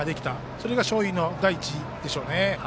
それが勝因の第一でしょうね。